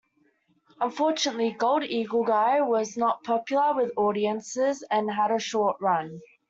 Unfortunately Gold Eagle Guy was not popular with audiences and had a short run.